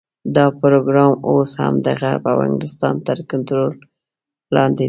دا پروګرام اوس هم د غرب او انګلستان تر کنټرول لاندې دی.